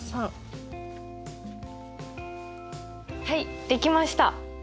はいできました！